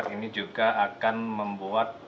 ini juga akan membuat